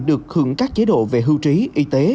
được hưởng các chế độ về hưu trí y tế